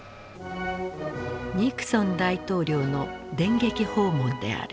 ニクソン大統領の電撃訪問である。